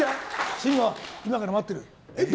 慎吾、今から待ってると。